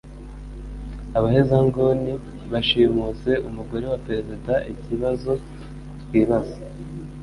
Abahezanguni bashimuse umugore wa perezida ikibazo twibaza